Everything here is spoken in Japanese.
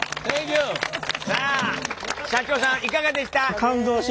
さあ社長さんいかがでした？